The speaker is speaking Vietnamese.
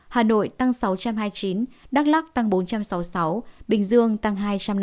hà nội tăng sáu trăm hai mươi chín đắk lắc tăng bốn trăm sáu mươi sáu bình dương tăng hai trăm năm mươi